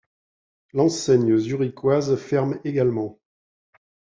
L'enseigne Zurichoise ferme également.